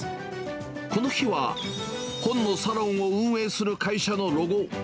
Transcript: この日は、本のサロンを運営する会社のロゴ。